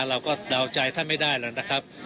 เราก็เจาะใจท่านไม่ได้แหละนะคับ